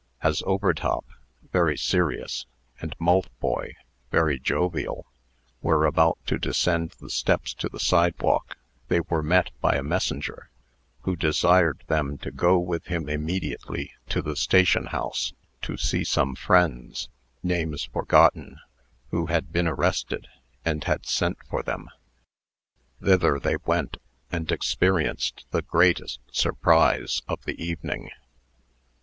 As Overtop, very serious, and Maltboy, very jovial, were about to descend the steps to the sidewalk, they were met by a messenger, who desired them to go with him immediately to the station house to see some friends (names forgotten) who had been arrested, and had sent for them. Thither they went, and experienced the greatest surprise of the evening.